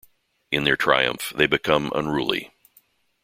In their triumph they become unruly.